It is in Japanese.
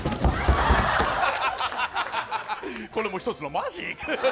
これも１つのマジック。